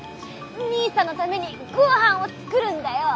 にいさんのためにごはんをつくるんだよ！」。